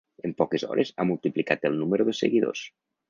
En poques hores ha multiplicat el número de seguidors.